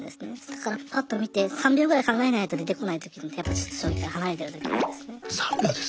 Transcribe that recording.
だからパッと見て３秒ぐらい考えないと出てこない時ってやっぱちょっと将棋から離れてる時なんですね。